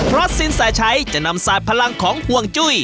เพราะสินแสชัยจะนำสาดพลังของห่วงจุ้ย